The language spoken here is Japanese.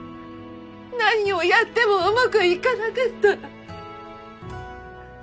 何をやってもうまくいかなかった。